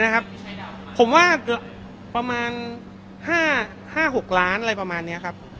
อะไรนะครับผมว่าประมาณ๕๖ล้านอะไรประมาณเนี้ยครับ